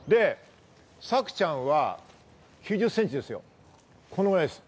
朔ちゃんは９０センチですよ、このぐらいです。